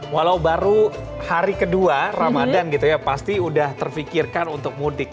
walau baru hari kedua ramadan gitu ya pasti udah terfikirkan untuk mudik